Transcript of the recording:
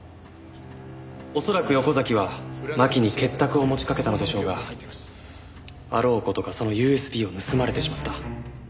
恐らく横崎は巻に結託を持ちかけたのでしょうがあろう事かそのＵＳＢを盗まれてしまった。